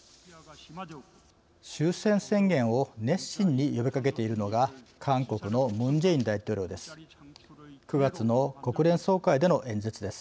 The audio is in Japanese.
終戦宣言を熱心に呼びかけているのが韓国のムン・ジェイン大統領です。